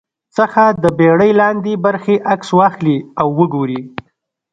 څخه د بېړۍ لاندې برخې عکس واخلي او وګوري